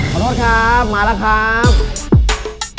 ขอโทษครับมาแล้วครับ